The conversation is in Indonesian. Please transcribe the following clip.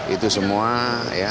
itu semua ya